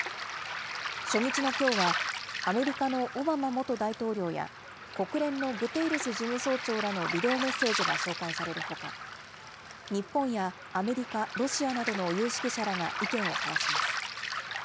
初日のきょうは、アメリカのオバマ元大統領や、国連のグテーレス事務総長らのビデオメッセージが紹介されるほか、日本やアメリカ、ロシアなどの有識者らが意見を交わします。